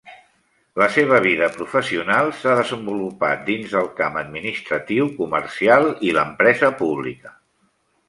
La seva vida professional s’ha desenvolupat dins el camp administratiu, comercial i l'empresa pública.